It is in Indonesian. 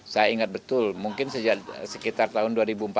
saya ingat betul mungkin sekitar tahun dua ribu empat belas